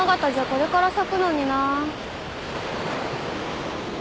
これから咲くのになぁ。